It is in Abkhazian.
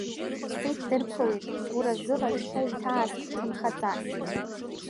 Сиҭ дырԥылеит гәыразыла, иахьа иҭааз ҭынхаҵас.